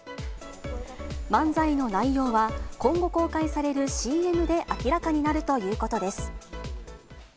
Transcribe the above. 漫才の内容は、今後公開されるＣＭで明らかになるということです。